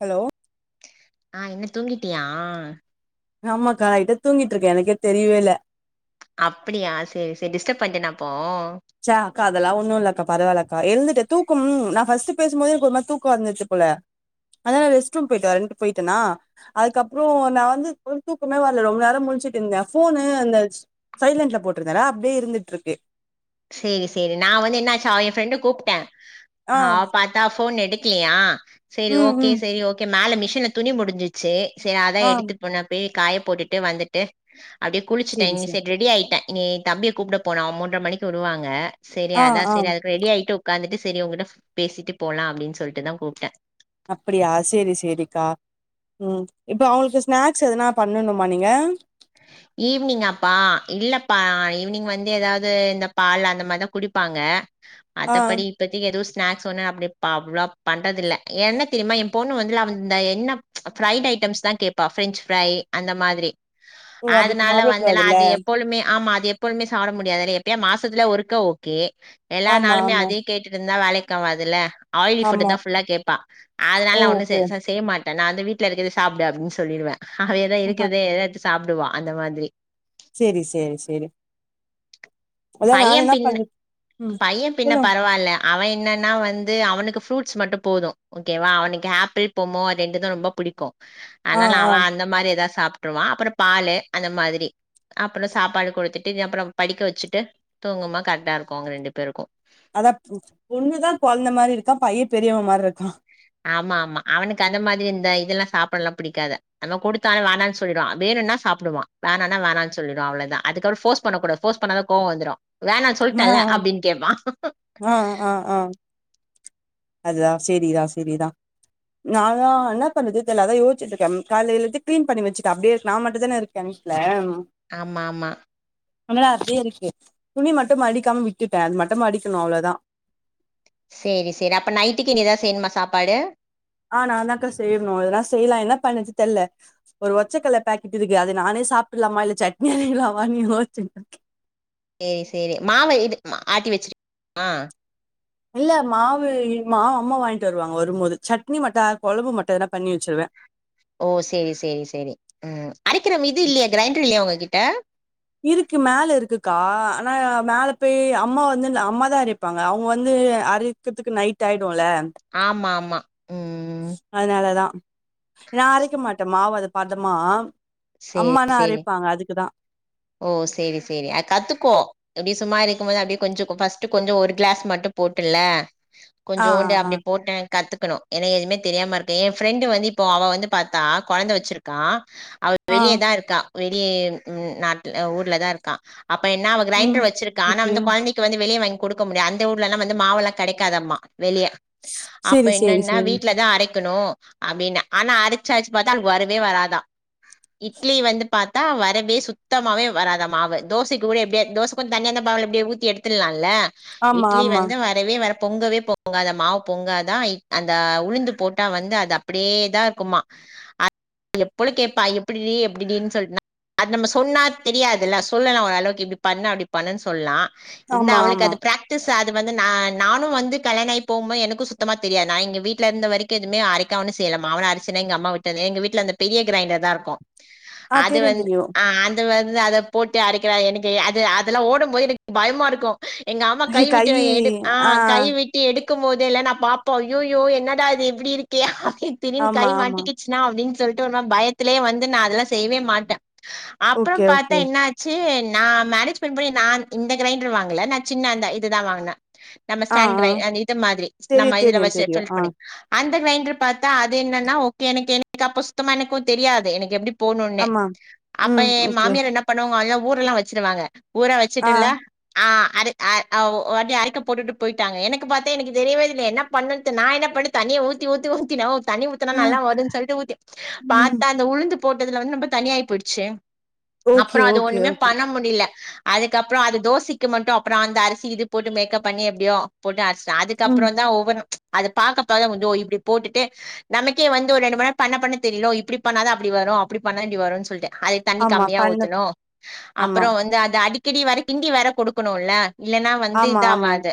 Hello அ என்ன தூங்கிட்டியா ஆமாக்கா இதோ தூங்கிட்டு இருக்கே எனக்கே தெரியவே இல்ல அப்படியா சரி சரி டிஸ்டர்ப் பண்ணிடனா அப்போ ச்ச அக்கா அதெல்லா ஒண்ணு இல்லக்கா பரவால்லக்கா எழுந்துட்டே தூக்கம் நா ஃபர்ஸ்ட் பேசும்போது எனக்கு ஒரு மாரி தூக்கம் வந்துருச்சு போல அதா நா ரெஸ்ட் ரூம் போயிட்டு வரண்டு போயிட்டனா அதுக்கப்பறோ நா வந்து ஒரு தூக்கமே வரல ரொம்ப நேர முழிச்சுட்ருந்தே போனு அந்த சைலன்ட்ல போட்டிருந்தேனா அப்டியே இருந்துட்ருக்கு சேரி சேரி நா வந்து என்னச்சா ஏ ஃப்ரெண்டுக்கு கூப்ட்டே ஆ அவ அவ போன் எடுக்கலையா சரி ம் ஓகே ம் சரி ஓகே மேல மிஷின்ல துணி முடிஞ்சுச் சு சரி அதா ஆ எடுத்துட்டு போனப்பயே காய போட்டுட்டு வந்துட்டு அப்டியே குளிச்சுட்டே சேரி சேரி சரி ரெடி ஆயிட்டே இனி தம்பிய கூப்ட போனு மூன்ற மணிக்கு விடுவாங்க சரி ஆ அதா ஆ சரி அதுக்கு ரெடி ஆகிட்டு உக்காந்துட்டு சரி உங்கட்ட பேசிட்டு போலா அப்படின் சொல்லிட்டு தா கூப்ட்டே அப்படியா சேரி சேரிக்கா ம் இப்போ அவங்களுக்கு ஸ்நாக்ஸ் எதனா பண்ணணுமா நீங்க ஈவினிங்காப்பா இல்லப்பா ஈவினிங் வந்து ஏதாவது இந்த பால் அந்த மாரிதா குடிப்பாங்க ஆ மத்தப்படி இப்பத்திக்கு எதுவு ஸ்னாக்ஸ் ஒண்ணு அப்டி அவ்வளா பண்றதுல்ல என்ன தெரியுமா எ பொண்ணு வந்து லாவந்தா என்ன ஃப்ரைட் ஐட்டம்ஸ் தா கேப்பா பிரஞ்ச் ஃப்ரை அந்த மாரி ஓ அப்டி அதனால வந்துனா சாப்டக்கூடாதுல்ல அது எப்போழுமே ஆமா அது எப்பொழுமே சாப்பிட முடியாதுல எப்பயோ மாசத்துல ஒருக்க ஓகே எல்லா ஆமா நாலுமே ஆமா அதே கேட்டுட்ருந்தா வேலைக்கு ஆவாதுல ஆயில் புட் ஆமா தா புல்லா கேப்பா அதனால ஒண்ணு ஓகே செய் செய்யமாட் நா அந்த வீட்ல இருக்கத சாப்டு அப்டின்னு சொல்லிடுவே அவ எத ஆ இருக்கத எத எடுத்து சாப்டுவா அந்த மாரி சேரி சேரி சேரி அதா பைய நானு என்ன பின்னு பண்ண ம் பைய பின்ன சொல்லுங் பரவால்ல அவ என்னென்னா வந்து அவனுக்கு ஃப்ரூட்ஸ் மட்டு போது ஓகேவா அவனுக்கு ஆப்பிள் பொம்மோ அது ரெண்டு தா ரொம்ப புடிக்கு ஆ அனால ஆ அவ அந்த மாரி ஏதாது சாப் ட்டுருவா அப்பற பாலு அந்த மாரி அப்பற சாப்பாடு குடுத்துட்டு அப்பற படிக்க வச்சுட்டு தூங்குப கரெக்டா இருக்கு அவங்க ரெண்டு பேருக்கு அதா ப் பொண்ணுதா கொழந்த மாரி இருக்கா பைய பெரியவ மாரி இருக்கா ஆமா ஆமா அவனுக்கு அந்த மாரி இந்த இதெல்லா சாப்பல்லா பிடிக்காது நம்ம கொடுத்தான வேணான் சொல்லிடுவா வேணும்னா சாப்புடுவா வேணான்ணா வேண்ணானு சொல்லிடுவா அவளதா அதுக்கப்பறோ ஃபோர்ஸ் பண்ணக் கூடாது ஃபோர்ஸ் பண்ணாதா கோவ வந்துரு வேனா ஆ சொல்ட்டேன்ல அப்படி கேப்பா ஆ ஆ ஆ அததா சேரிதா சேரிதா நாங்கதா என்ன பண்ணறது தெர்ல அதா யோச்சிட்டுருக்க ம் காலையலந்து க்ளீன் பண்ணி வச்சுட்ட அபடியே நா மட்டு தான இருக்க கெமிஸ்ட்ல ஆமா ஆமா அதனால அப்டியே இருக்கு துணி மட்டு மடிக்காம விட்டுட்டே அது மட்டு மடிக்கனு அவ்ளோதா சேரி சேரி அப்போ நைட்டுக்கு இனிதா செய்யணுமா சாப்பாடு ஆ நாந்தாக்கா செய்ணு அதெல்லா செய்லா என்ன பண்ணது தெரில ஒரு ஒச்சக்கல பேக்கெட் இருக்கு அத நானே சாப்ட்றலாமா இல்ல சட்னி அறைக்கலாமானு யோசிச்ட்ருக்க சேரி சேரி மாவு இது அ ஆட்டி வச்சுருக்குமா இல்ல மாவு மாவு அம்மா வாங்கிட்டு வருவாங்க வரும் போது சட்னி மட்ட கொழம்பு மட்டு எதனா பண்ணி வச்சுருவே ஓ சேரி சேரி சரி ம் அரைக்கிரம் இது இல்லயா கிரைண்டர் இல்லயா உங்ககிட்ட இருக்கு மேல இருக்குக்கா ஆனா மேல போய் அம்மா வந்து அம்மா தா அறைப்பாங்க அவங்க வந்து அரி க்கத்துக்கு நைட் ஆயிடுல்ல ஆமா ஆமா ம் அதனாலதா நா அரைக்க மாட்ட மாவு அத பதம்மா சேரி சேரி ஓ சேரி சேரி அ கத்துக்கோ அப்டி சும்மா இருக்கும் போது அப்டி கொஞ்ச ஃபர்ஸ்ட்டு கொஞ்ச ஒரு க்ளாஸ் மட்டு போட்டுல ஆ, ஆ, கொஞ்சோன்டு ஆ. அப்டி போட்டு கத்துக்கணு ஏனா எதுமே தெரியாம இருக்க என் ஃப்ரெண்டு வந்து இப்போ அவ வந்து பாத்தா கொழந்த வச்சிருக்கா அவ ஆ. வெளியதா இருக்கா வெளியே நாட்ல ஊர்லதா இருக்கா அப்ப என்ன அவ ம். கிரைண்டர் வச்சிருக்கா ஆனா ஓகே. வந்து கொழந்தைக் க்கு வந்து வெளிய வாங்கி குடுக்க முடியாது அந்த ஊர்லல்ல வந்து மாவல்லா வந்து கெடைக்காதாம்மா வெளிய அப்ப சரி, சரி, என்னன்னா சரி. வீட்லதா அரைக்கணு அப்டின்னா ஆனா அரச்சு அரச்சு பாத்தா அவளுக்கு வரவே வராதா இட்லி வந்து பாத்தா வரவே சுத்தமாவே வராத மாவு தோசைக்கு கூட எப்டியா தோச க்கு தண்ணியா இருந்த மாவுல எப்டியாது ஊத்தி எடுத்துல்லால்ல ஆமா, இட்லி ஆமா. வந்து வர வரவே வர பொங்கவே பொங்காதா மாவ் பொங்காதா அந்த உளுந்து போட்டா வந்து அது அப் ப்படியேதா இருக்குமா அத் எப்பலோ கேப்பா எப்டிறீ எப்டிடினு சொல்ட் அது நம்ம சொன்னா தெரியாதுல்ல சொல்லலா ஓரளவுக்கு இப்டி பண்ணு அப்டி பண்ணுன்னு சொல்லா இன்னு ஆமா, அவளுக்குக்கு ஆமா. அது ப்ராக் ட்டிஸ் அது வந்து நா நானு வந்து கல்யாண ஆகி போம்போது எனக்கு சுத்தமா தெரியாது நா எங்க வீட்ல இருந்த வரைக் க்கு எதுமே அரைக்க ஒன்னு செய்ல மாவுல அரச்சன எங்க அம்மா விட்டதே எங்க வீட்ல அந்த பெரிய கிரைண்டர் தா இருக்கு ஆ அது தெரியும், வந் தெரியும். அ அந் அது வந்து அத போட்டு அரைக்கிற எனக்கு அது அதெல்லா ஓடும் போது எனக்கு பயமா இருக்கு எங்க அம்மா கை கைவிட்டு எடு ஆ கைவிட் டு எடுக்கும் போது எல்லா நா பாம்போ அய்யய்யோ என்னடா இது இப்டி இருக்கே அப்டி திடீர்னு கை ஆமா, ஆமா. மாட்டிக்கிச்சு ன்னா அப்டின்னு சொல்லிட்டு ஒரு நா பயத்திலே வந்து நா அதெல்லா செய்வே மாட்டே அப்ற ஓகே, பாத்தா ஓகே. என்னாச் சு நா மேரேஜ் பண்ணு போ நா இந்த கிரைண்டர் வாங்கல நா சின்ன அந்த இதுதா வாங்குனே நம்ம ஆ, ஆ. ஸ்டாண்ட்ரை அந்த இது மாதிரி நம்ம தெரியும், இதுல தெரியும், வச்சு தெரியும். ஃபில் ஆ. பண்ணி அந்த கிரைண்டர் பாத்தா அது என்னன்னா ஓகே எனக்கு எனக்கு அப்ப சுத்தமா எனக்கு தெரியாது எனக்கு எப்டி போணுன்னே ஆமா. அப்ப ம். எ ஓகே. மாமியார் என்ன பண்ணுவாங்க அதல்லா ஊரெல்லா வச்சிருவாங்க ஊரா ஆ. வச்சுட்டுல்ல ஆ அது அ ஓ ஓராட்டி அரைக்க போட்டுட்டு போயிட்டாங்க எனக்கு பாத்தே எனக்கு தெரியவேல்ல என்ன பண்ணுட்டு நா என்ன பண்ணே தண்ணிய ஊத்தி ஊத்தி ஊத்தி தண்ணி ஊத்தனா ஆ. நல்லா வருனு சொல்லிட்டு ஊத்தி ம். பாத்தா அந்த உளுந்து போட்டதுல வந்து ரொம்ப தண்ணியா போயிடுச்சு ஓகே, அப்றோ அது ஓகே, ஒண்ணுமே ஓகே. பண்ண முடியல அதுக்கப்பறோ அது தோசைக்கி மட்டு அப்றோ அந்த அரிசி இது போட்டு மேக்கப் பண்ணி எப்டியோ போட்டு அர்ஸ்டே ம். அதுக்கப்றோ தா ஒவ்வன்னு அது பாக்கப்பா தா கொஞ்சோ இப்டி போட்டுட்டு நமக்கே வந்து ஒரு ரெண்டு மூணு நேரோ பண்ண பண்ண தெரியுல்லோ இப்டி பண்ணாத அப்டி வரு அப்டி பண்ணா இப்டி வருனு சொல்ட்டு அதுக் தண்ணி ஆமா. கம்மியா பண்ணு ஊத்தணு ஆமா, அப்பறோ வந்து அது அடிக்கடி வேற கிண்டி வேற குடுக்கணுல்ல இல்லன்னா வந்து ஆமா, ஆமா. இதுஆவாது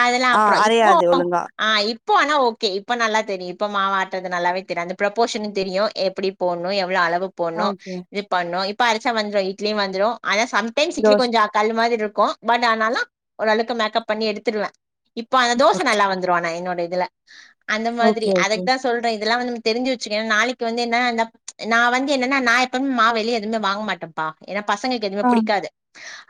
அதெல்லா ஆ அப்றோ இப்போ அரையாது ஒழுங்கா. ஆ இப்போ ஆனா ஓகே இப்போ நல்லா தெரியு இப்ப மாவட்டறது நல்லாவே தெரியு அந்த ப்ரப்போஷன்னு தெரியு எப்டி போணு எவ்ளோ அளவு ஆ போணு ஓகே. இது பண்ணு இப்ப அரச்சா வந்துரு இட்லியு வந்துரு ஆன சம் டைம்ஸ் இட்லி தோச கொஞ்சோ கல்லு மாதிரி இருக்கு பட் ஆனாலு ஒரு அளவுக்கு மேக்கப் பண்ணி எடுத்துருவ இப்போ அந்த தோச நல்லா வந்துரு ஆனா என்னோட இதுல அந்த மாதிரி ஓகே, ஓகே. அதுக்கு தா சொ சொல்றே இதெல்லா நம் தெரிச்சு வச்சுக்கு நாளைக் க்கு வந்து என்னனா என்னப் நா வந்து என்னன்னா நா எப்பவுமே மாவு வெளிய எதுவுமே வாங்கமாட்டம் ப்பா ஏனா பசங்களுக்கு எதுவுமே ஆ பிடிக்காது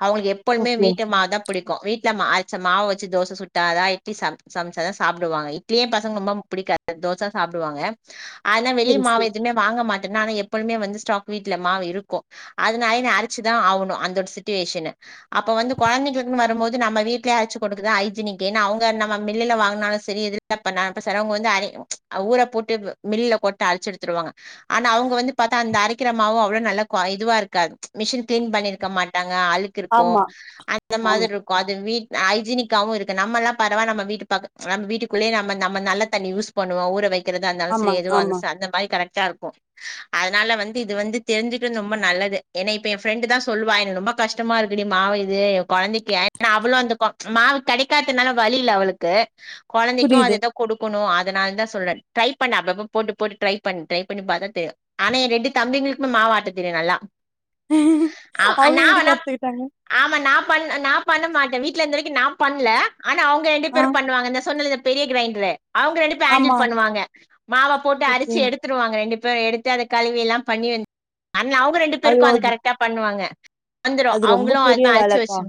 அவங்களுக்கு எப்பொலுமே ஓகே. வீட்டு மாவு தா பிடிக்கு வீட்ல மா அரச்ச மாவு வச்சு தோச சுட்டாதா இட்லி சம் சமாச்சாதா சாப்டுவாங்க இட்லியே பசங்க ரொம்பம் புடிக்காது தோசா சாப்டுவாங்க ஆனா வெளிய சரி, மாவு சரி. எதுமே வாங்க மாட்டேனா அத எப்போதுமே வந்து ஸ்டாக் வீட்ல மாவு இருக்கு அதனாலே நா அரச்சுதா ஆவணு அந்த ஒரு சிட்டிவேஷனு அப்ப வந்து கொழந்தைகளுக்குனு வரும்போது நம்ம வீட்லே அரச்சு குடுக்குதா ஹெய்ஜெனிக் ஏனா அவுங்க நம்ம மில்லுல வாங்கினாலு செரி எதுல தப்ப பண்ணாப் சிலர் அவங்க வந்து அரைவு ஊர போட்டு மில்ல போட்டு அரச்சு எடுத்துருவாங்க ஆனா அவங்க வந்து பாத்தா அந்த அரைக்கிரமாவும் அவ்வளவு நல்ல குவால் இதுவா இருக்கா மிஷின் கிளீன் பண்ணிருக்க மாட்டாங்க அழுக் க் இருக்கும் ஆமா, அந்த மாரி ஆமா, இரு அது வீட்ல ஹெய்க்கினிக்காகவும் இருக்கு நம்மெல்லாம் பரவ நம் வீட்டு பாக்கத்தி நம்ப வீட்டுக்குள்ளே நம்ம நம்ம நல்ல தண்ணி யூஸ் பண்ணுவோம் ஊர வைக்கிறதா இருந்தாலும் ஆமா, சரி எதுவா ஆமா. இருந்தாலும் அந்த மாரி கரெக்டா இருக்கும் அதனால வந்து இது வந்து தெரிஞ்சிக்குறது ரொம்ப நல்லது என இப்ப என் ஃப்ரெண்டு தான் சொல்லுவா எனக்கு ரொம்ப கஷ்டமா இருக்குடி மாவு இது குழந்தைக்கு ஏன அவளும் அந்த மாவு கிடைக்காதனால வழியில்ல அவளுக் க்கு கொழந்தைக்கும் புரியுது. அதுதான் கொடுக்கணும் அதனால தான் சொல்ற ட்ரை பண்ணு அப்ப அப்ப போட்டு போட்டு ட்ரை பண்ணி ட்ரை பண்ணி பாத்தா தெரியும் ஆனா என் ரெண்டு தம்பிங்களுக்கும மாவு ஆட்ட தெரியும் நல்லா ஆவ் அவங்க நா எப்படி வேனா கத்துக்கிட்டாங்க? ஆமா நா பண் நா பண்ண மாட்டேன் வீட்டுல இருந்த வரைக்கும் நா பண்ல ஆனா அவங்க ரெண்டு ஆ. பேரும் பண்ணுவாங்க நா சொன்னல பெரிய கிரைண்டர் அவங்க ரெண்டு பேரு ஆமா. ஹேண்டில் பண்ணுவாங்க மாவ போட்டு அரிசி ஓகே. எடுத்துருவாங்க ரெண்டு பேரும் எடுத்து அத கழுவிலாம் பண்ணி அவங்க ரெண்டு ஐயோ! பேருக்கும் அது கரெக்டா பண்ணுவாங்க வந்துரும் அது ரொம்ப அவுங்களும் பெரிய அதுமாரி அரச்சு வேலக்கா. வச்சு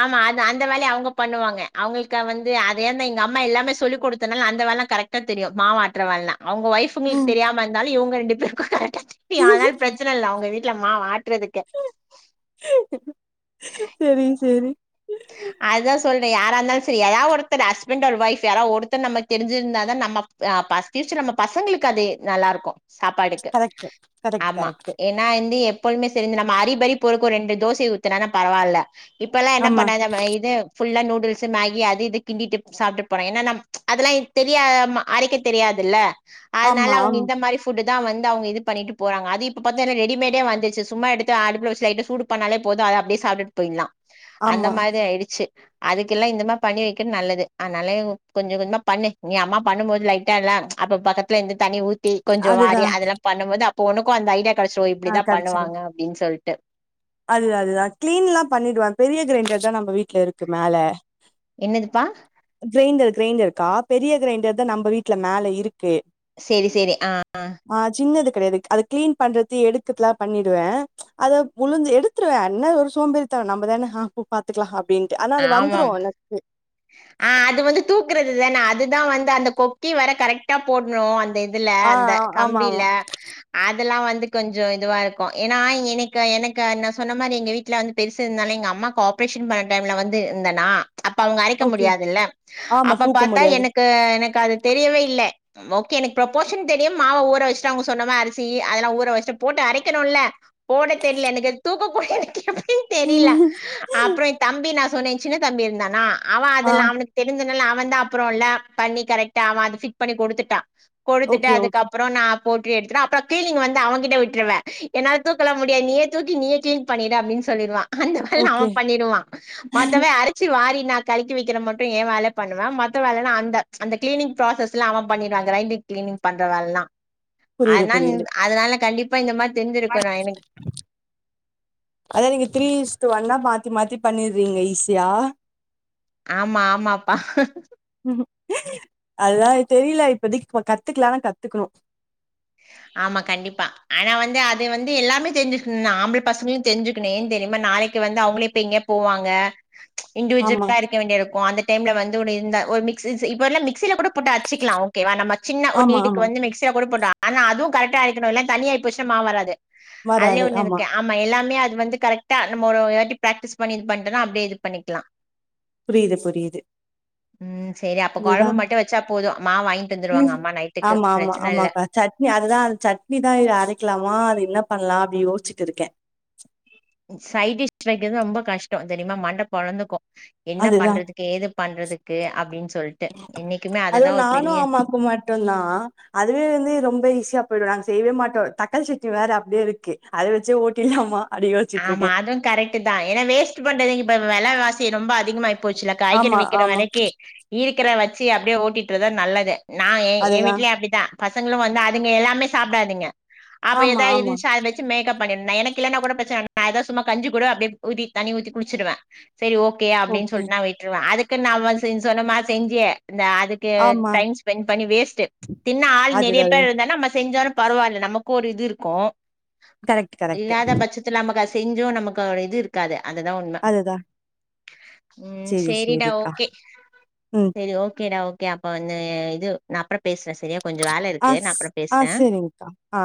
ஆமா அது அந்த வேலைய அவங்க பண்ணுவாங்க அவங்களுக்க வந்து அத ஏந்த எங்க அம்மா எல்லாமே சொல்லிக் கொடுத்தனாலும் அந்த வேல கரெக்ட் ட்டா தெரியும் மாவு ஆற்ற வேலை அவங்க வொய்ஃப் அவுங்களுக்கு தெரியாம இருந்தாலும் இவுங்க ரெண்டு பேருக்கும் கரெக்ட்டா தெரியும் அதனால பிரச்சனை இல்லை அவுங்க வீட்டுல மாவு ஆட்டுறதுக்கு செரி செரி அதுதா சொல்றே யாரா இருந்தாலும் சரி ஏதாவ ஒருத்தர் ஹஸ்பண்ட் ஆர் வைஃப் யாராவது ஒருத்த நமக்கு தெரிஞ்சிருந்தா தா நம்ம ஆ அட்லீஸ்ட் நம்ம பசங்களுக்கு அது நல்லா இருக்கும் சாப்பாட்டுக்கு கரெக்ட், கரெக்ட், ஆமா கரெக்ட். என் நா வந்து எப்பொழுமே சரிந்து நம்ம அறிபரி போருக்கு ஒரு ரெண்டு தோசை பரவால்ல இப்பெல்லாம் என்ன ஆமா, நைடு ஃபுல்லா நூடுல்ஸ் மேகி அது இது கிண்டிட்டு சாப்பிட்டு போறோ ஏனா நா அதெல்லாம் தெரியா அரைக்க தெரியாதுல்ல அதனால ஆமா, அவங்க ஆமா. இந்த மாரி ஃபு ஃபுட்டு தா வந்து அவங்க இது பண்ணிட்டு போறாங்க அது இப்ப பாத்தன ரெடிமேடே வந்துச்சு சும்மா எடுத்து அடுப்புல வச்சி லைட்டா சூடு பண்ணாலே போதும் அத அப்படியே சாப்ட்டுட்டு போயிடல அந்த ஆமா மாிரி ஆய்டுச்சு அதுக்கெல்லாம் இந்த மாரி பண்ணி வைக்கும் நல்லது அதனால கொஞ்சம் கொஞ்சமா பண்ணு நீ அம்மா பண்ணும் போது லைட்டா எல்லா அப்ப பக்கத்துல இருந்து தண்ணி ஊத் தி கொஞ்சம் அதுதா வாரி அதெல்லாம் பண்ணும்போது அப்போ உனக்கும் அந்த ஐடியா கடச்சிரும் ஆ இப்படிதான் பண்ணுவாங்க அப்டின் சொல்லிட்டு அதுதா அதுதா கிளீன் எல்லா பண்ணிடுவேன் பெரிய கிரைண்டர் தான் நம்ம வீட்ல இருக்கு மேல என்னதுப்பா கிரைண்டர் கிரைண்டருக்கா பெரிய கிரைண்டர் தான் நம்ம வீட்ல மேல இருக்கு செரி செரி ஆ ஆ ஆ சின்னது கிடையாது அதை கிளீன் பண்றதை எடுக்கதுலாம் பண்ணிடுவேன் அத புழுஞ்சு எடுத்துருவேன் என்ன ஒரு சோம்பறித்தனொ நம்ம தான ஆ பூ பாத்துக்கலாம் அப்படினட்டு ஆனா அது ஆமாம் வந்துரும் எனக்கு ஆ அது வந்து தூக்குறது தான அதுதான் வந்து அந்த கொக்கி வரை கரெக்டா போட்ணும் அந்த இது இதுல ஆ அந்த ஆமா கம்பில ஆமா அ அதெல்லாம் வந்து கொஞ்சம் இதுவா இருக்கும் ஏன்னா எனக்கு எனக்கு நா சொன்ன மாரி எங்க வீட்ல வந்து பெருசு இருந்தாலும் எங்க அம்மாக்கு ஆப்ரேஷன் பண்ண டைம்ல வந்து இருந்தேனா அப்ப அவங்க அ ரைக்க ஓகே முடியாதுல்ல ஆமா அப்ப தூக்க பாத்தா முடியாது எனக்கு எனக்கு அது தெரியவே இல்லை ஓகே எனக்கு ப்ரொப்போஷன் தெரியும் மாவு ஊற வச்சுட்டா அவங்க சொன்னமாறி அரிசி அதெல்லாம் ஊற வச்சுட்டு போட்டு அரைக்கணும்ல போட தெரில எனக்கு தூக்க கூட எனக்கு எப்டின் தெரில அப்புறம் என் தம்பி நா சொன்னேன் சின்ன தம்பி இருந்தானா அவன் ஆ அதெல்லாம் அவனுக்கு தெரிஞ்சதுனால அவன் தான் அப்புறம்ல பண்ணி கரெக்டா அவன் அத ஃபிட் பண்ணி கொடுத்துட்டான் கொடுத்துட்டு ஓகே ஓகே அதுக்கப்புறம் நா போட்டு எடுத்து அப்றம் கிளீனிங் வந்து அவன்கிட்ட விட்ருவ என்னாள தூக்கலா முடியாது நீயே தூக்கி நீயே கிளீன் பண்ணிடு அப்படின் சொல்லிடுவான் அந்த வேலெல்லா அவ ஓகே பண்ணிருவா மத்தம அரைச்சி வாரினா கழி வைக்கிற மட்டு எ வேல பண்ணுவ மத்த வேலை அந்த அந்த கிளனிங் ப்ராசஸ்லா அவ பண்ணிருவா கிரைண்டிங் கிளீனிங் பண்ற வேலல்லா புரியுது அதனால புரியுது அதனால கண்டிப்பா இந்த மாதிரி தெரிஞ்சிருக்கு எனக்கு அதா நீங்க த்ரீ இஸ்டு ஒன்னா மாத்தி மாத்தி பண்ணிடுறீங்க ஈஸியா ஆமா ஆமாப்பா அதா தெரியல இப்பதிக்கு கத்துக்கலானா கத்துக்கணு ஆமா கண்டிப்பா ஆனா வந்து அதது வந்து எல்லாமே தெரிஞ்சிருக்கனு ஆம்பள பசங்களு தெரிஞ்சுக்கனு ஏ தெரியுமா நாளைக்கு க்குவந்து அவங்களே இப்ப எங்கேயு போவாங்க ம்ச் ஆமா இண்டுவிஜிலா இருக்க வேண்டிய இருக்கு அந்த டைம்ல வந்து இந்த ஒரு மிக்சி இப்ப எல்லாம் மிக்சியில கூட போட்டு அரைச்சிக்கலா ஓக்கேவா நம்ம சின்ன ஒரு ஆமா ஈடுக்கு ஆமா வந்து மிக்சியில கூட போட்டு ஆனா அது கரக்டா அரைக்கணு இல்ல தண்ணியாயி போச்சுனா மாவு வராது அதுலையு ஒண்ணு இருக்கு ஆமா எல்லாமே அது வந்து கரெக்டா நம் ஒரு வாட்டி பிராக்டிஸ் பண்ணி இது பண்ணிட்டோ அப்படியே இது பண்ணிக்கலா புரியுது புரியுது ம் செரி அப்போ அதுதா கொழம்பு மட்டு வெச்சா போது மாவு வாங்கிட்டு ம் வந்துருவாங்க அம்மா நைட்டுக்கு ஆமா ஆமா பிரச்சனை இல்ல ஆமாக்கா சட்னி அதுதா அ சட்னிதா அரைக்கலாமா அது என்ன பண்ணலா அப்படினு யோச்சுட்டு இருக்கே சைடிஷ் வெக்கிறது ரொம்போ கஷ்டோ தெரியுமா மண்ட பொளந்துக்கு என்ன அதுதா பண்றதுக்கு ஏது பண்றதுக்கு அப்படின்னு சொல்லிட்டு இன்னைக்குமே அதுவு அததா ஒரு நானு பெரிய அம்மாக்கு மட்டுந்தா அதுவே வந்து ரொம்ப ஈஸியா போயுடு நாங்க செய்யவே மாட்டோ தக்காளி சட்னி வேற அப்படியே இருக்கு அதை வச்சே ஓட்டிடலாமா ஆமா அது கரெக்ட் தா ஏன்னா வேஸ்ட் பண்றது இப்ப வெளவாசி ரொம்போ அதிகமாயி போச்சுல காய்கறி ஆமா விக்கிற ஆமா வெளைக்கு இருக்கிற வச்சு அப்படியே ஓட்டிட்டுதா நல்லது நா எ எ அதுதா வீட்லையு அப்படித்தா பசங்களு வந்து அதுங்க எல்லாமே சாப்பிடாதுங்க அப்ப ஆமா ஏதா ஆமா இருந்துச்சா அதை வச்சு மேப் பண்ணிருங்க எனக்கு இல்லேன்னா கூட பி சு நா ஏதாவது சும்மா கஞ்சி கூட அப்படியே ஊத்தி தன்னி ஊத்தி குடிச்சிடுவே சரி ஓக்கே அப்படின்னு ஓகே சொல்லிட்டு நா அதுக்குனு நாம செய் சொன்னமாரி செஞ்சி இந்த அதுக் கு ஆமா டைம் ஸ்பெண்ட் பண்ணி வேஸ்ட்டு தின்ன ஆள் நெறைய அதுதா பேர் இருந்தானா அம்ம செஞ்சோர பரவால்ல நமக்கு ஒரு இது இருக்கு கரெக்ட் கரெக்ட் இல்லாத பட்சத்து த்து நமக்கு அது செஞ்சு நமக்கு இது இருக்காது அதுதா உண்ம அதுதா ம் சேரி சேரிடா சேரிக்கா ஓக்கே ம். செரி ஓக்கேடா நீ அப்ப வந்து இது நா அப்றோ பேசுறே சரியா கொஞ்சோ வேல ஆ இருக்கு நா ஸ் அப்றோ ஆ பேசுறே சரிங்க்கா. ஆ